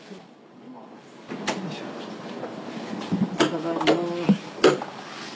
ただいま。